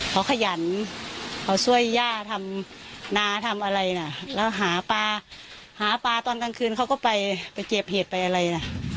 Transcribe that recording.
เขาขยันเขาช่วยย่าทำนาทำอะไรน่ะแล้วหาปลาหาปลาตอนกลางคืนเขาก็ไปไปเก็บเห็ดไปอะไรนะ